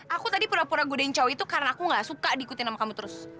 aku tadi pura pura gudeng cowok itu karena aku gak suka diikutin sama kamu terus